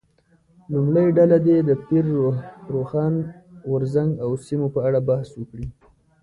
لومړۍ ډله دې د پیر روښان غورځنګ او سیمو په اړه بحث وکړي.